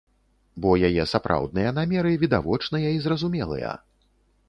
Бо яе сапраўдныя намеры відавочныя і зразумелыя.